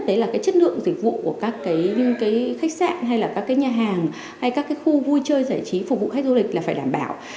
đấy là cái chất lượng dịch vụ của các cái khách sạn hay là các cái nhà hàng hay các cái khu vui chơi giải trí phục vụ khách du lịch là phải đảm bảo